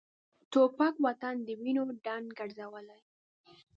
توپک وطن د وینو ډنډ ګرځولی.